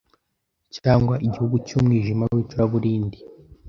cyangwa igihugu cy’umwijima w’icuraburindi